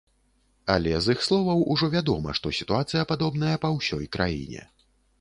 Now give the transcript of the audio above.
Але з іх словаў ужо вядома, што сітуацыя падобная па ўсёй краіне.